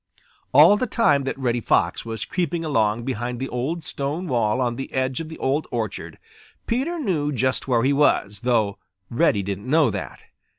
All the time that Reddy Fox was creeping along behind the old stone wall on the edge of the Old Orchard, Peter knew just where he was, though Reddy didn't know that.